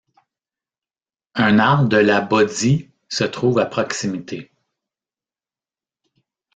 Un arbre de la bodhi se trouve à proximité.